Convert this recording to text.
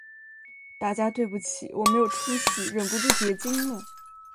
大家对不起，我没出息，忍不住结晶了